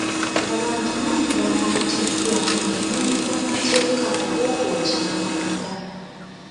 Abantu bangi baakwatiddwa mu bumenyi bw'amateeka obw'okwokya amanda.